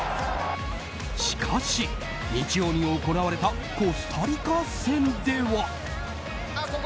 しかし日曜に行われたコスタリカ戦では。